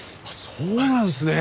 そうなんですね！